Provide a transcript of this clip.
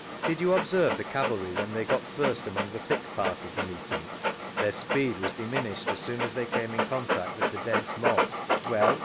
Did you observe the cavalry when they got first among th^ thick part of the meeting ?— Their speed was diminished as soon as they cante in contact with the dense mob. Well?